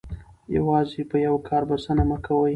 یوازې په یو کار بسنه مه کوئ.